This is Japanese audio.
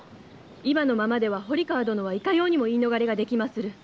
今のままでは堀川殿はいかようにも言い逃れができまする。